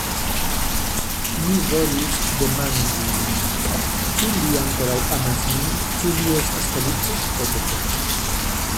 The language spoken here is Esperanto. Mi volis demandi lin, ĉu li ankoraŭ amas min; ĉu li estas feliĉa ktp.